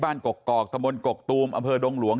กกอกตะบนกกตูมอำเภอดงหลวง